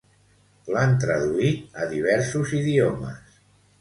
L'han traduït a diversos idiomes.